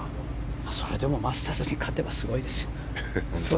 それでも、マスターズに勝てばすごいですよ。